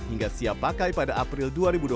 hingga siap pakai pada april dua ribu dua puluh